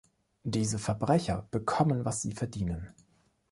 Diese Verbrecher bekommen, was sie verdienen.